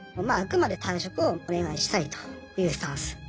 まああくまで退職をお願いしたいというスタンス。